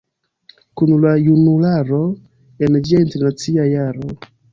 Kun la junularo, en ĝia Internacia Jaro...".